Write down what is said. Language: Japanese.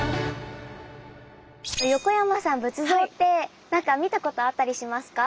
横山さんは仏像って何か見たことあったりしますか？